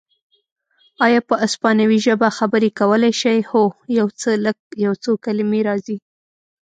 ایا په اسپانوي ژبه خبرې کولای شې؟ هو، یو څه لږ، یو څو کلمې راځي.